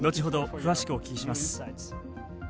詳しくお聞きします。